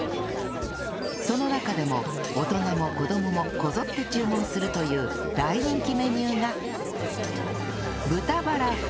その中でも大人も子どももこぞって注文するという大人気メニューが